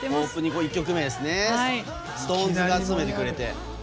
１曲目はＳｉｘＴＯＮＥＳが務めてくれて。